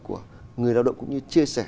của người lao động cũng như chia sẻ